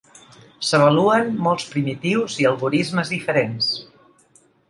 S'avaluen molts primitius i algorismes diferents.